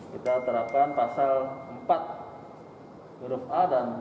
kita terapkan pasal empat huruf a dan empat huruf b